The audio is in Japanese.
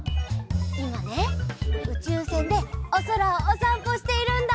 いまねうちゅうせんでおそらをおさんぽしているんだ。